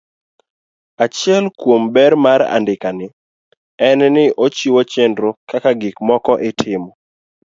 Achiel kuom ber mar andikani en ni ochiwo chenro kaka gik moko itimo.